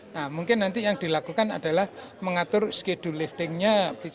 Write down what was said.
nah mungkin nanti yang dilakukan adalah mengatur schedule liftingnya